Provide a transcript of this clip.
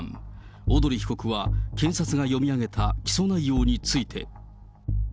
小鳥被告は検察が読み上げた起訴内容について。